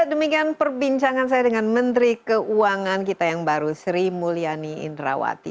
demikian perbincangan saya dengan menteri keuangan kita yang baru sri mulyani indrawati